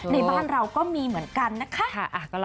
ในบ้านเราก็มีเหมือนกันนะคะ